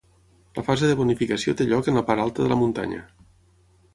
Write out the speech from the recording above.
La fase de bonificació té lloc en la part alta de la muntanya.